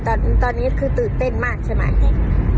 ตื่นเต้นเลยตอนนี้คือตื่นเต้นมากใช่ไหม